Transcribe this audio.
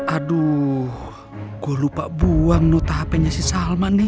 aduh gua lupa buang nota hpnya si salman nih